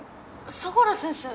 相良先生。